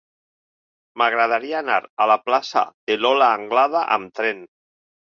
M'agradaria anar a la plaça de Lola Anglada amb tren.